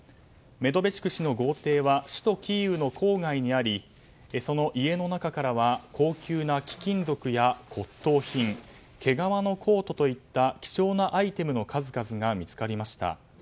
メドベチュク氏の豪邸は首都キーウの郊外にありその家の中からは高級な貴金属や骨董品毛皮のコートといった希少なアイテムの数々が見つかりました。